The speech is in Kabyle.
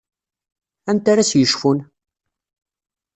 Anta ara s-yecfun?